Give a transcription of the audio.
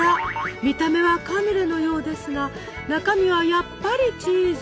見た目はカヌレのようですが中身はやっぱりチーズ。